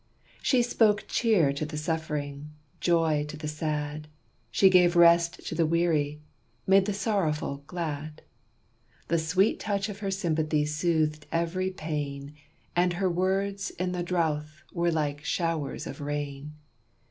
She spoke cheer to the suffering, joy to the sad; She gave rest to the weary, made the sorrowful glad. The sweet touch of her sympathy soothed every pain, And her words in the drouth were like showers of rain.